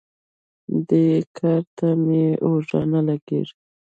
دې کار ته مې اوږه نه لګېږي.